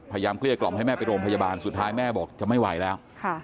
เกลี้ยกล่อมให้แม่ไปโรงพยาบาลสุดท้ายแม่บอกจะไม่ไหวแล้ว